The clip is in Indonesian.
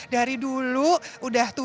dari dulu udah tuh